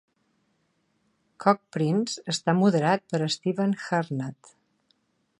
CogPrints està moderat per Stevan Harnad.